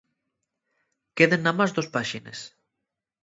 Queden namás que dos páxines.